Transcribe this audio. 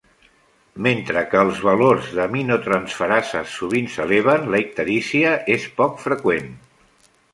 Mentre que els valors d'aminotransferases sovint s'eleven, la icterícia és poc freqüent.